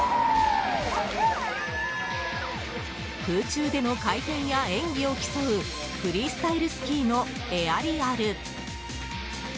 空中での回転や演技を競うフリースタイルスキーのエアリアル。